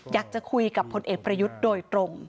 อยากจะคุยกับพลเอกประยุทธ์โดยตรง